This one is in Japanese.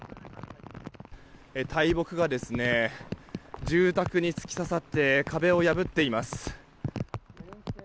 大木が住宅に突き刺さって壁を破っています。